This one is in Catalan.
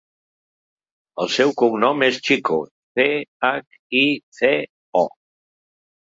El seu cognom és Chico: ce, hac, i, ce, o.